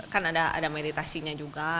kan ada meditasinya juga